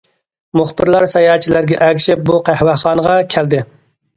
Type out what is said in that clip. مۇخبىرلار ساياھەتچىلەرگە ئەگىشىپ بۇ قەھۋەخانىغا كەلدى.